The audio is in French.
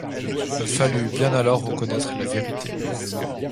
Il fallut bien alors reconnaître la vérité.